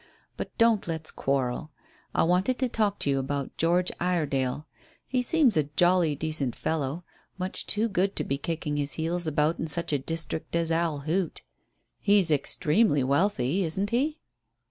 But don't let's quarrel. I wanted to talk to you about George Iredale. He seems a jolly decent fellow much too good to be kicking his heels about in such a district as Owl Hoot. He's extremely wealthy, isn't he?"